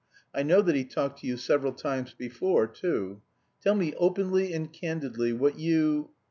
I know that he talked to you several times before, too. Tell me openly and candidly what you...